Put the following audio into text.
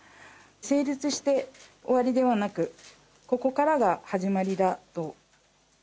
成立して終わりではなく、ここからが始まりだと。